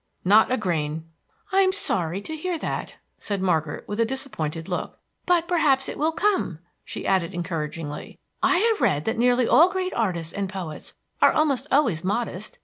"Not a grain." "I am sorry to hear that," said Margaret, with a disappointed look. "But perhaps it will come," she added encouragingly. "I have read that nearly all great artists and poets are almost always modest.